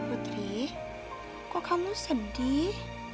putri kok kamu sedih